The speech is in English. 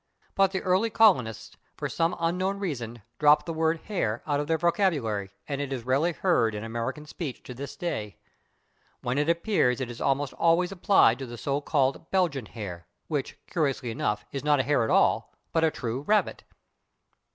But the early colonists, for some unknown reason, dropped the word /hare/ out of their vocabulary, and it is rarely heard in American speech to this day. When it appears it is almost always applied to the so called Belgian hare, which, curiously enough, is not a hare at all, but a true rabbit.